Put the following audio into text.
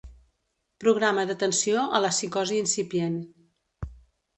Programa d'atenció a la psicosi incipient.